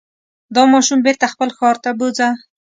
دا ماشوم بېرته خپل ښار ته بوځه.